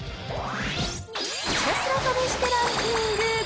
ひたすら試してランキング。